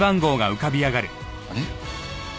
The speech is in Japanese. あれ？